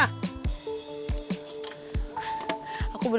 aku bener bener kecelakaan sama kamu ya